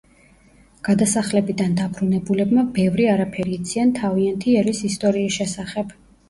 გადასახლებიდან დაბრუნებულებმა ბევრი არაფერი იციან თავიანთი ერის ისტორიის შესახებ.